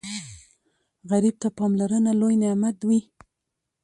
غریب ته پاملرنه لوی نعمت وي